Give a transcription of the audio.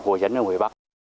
bốn mươi hồ dân ở hồi bắc